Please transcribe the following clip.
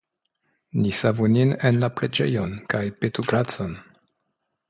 Ni savu nin en la preĝejon, kaj petu gracon!